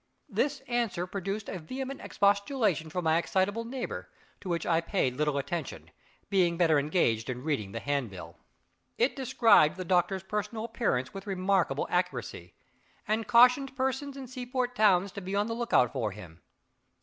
This answer produced a vehement expostulation from my excitable neighbor, to which I paid little attention, being better engaged in reading the handbill. It described the doctor's personal appearance with remarkable accuracy, and cautioned persons in seaport towns to be on the lookout for him.